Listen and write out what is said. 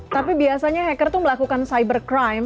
tapi biasanya hacker itu melakukan cyber crime